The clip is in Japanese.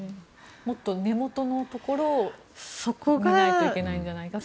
もっと根元のところを見ないといけないんじゃないかと。